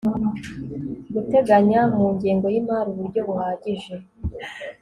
Guteganya mu ngengo y imari uburyo buhagije